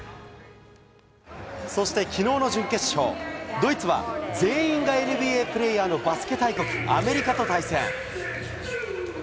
そしてきのうの準決勝、ドイツは全員がＮＢＡプレーヤーのバスケ大国・アメリカと対戦。